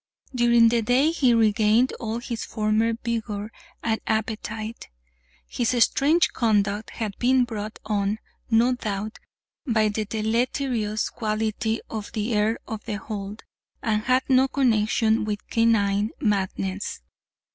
During the day he regained all his former vigour and appetite. His strange conduct had been brought on, no doubt, by the deleterious quality of the air of the hold, and had no connexion with canine madness.